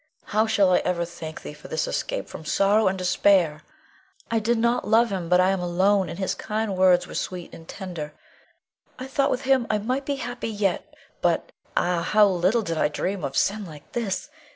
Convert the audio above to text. Leonore. How shall I ever thank thee for this escape from sorrow and despair? I did not love him, but I am alone, and his kind words were sweet and tender. I thought with him I might be happy yet, but Ah, how little did I dream of sin like this!